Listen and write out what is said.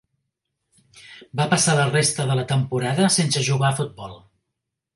Va passar la resta de la temporada sense jugar a futbol.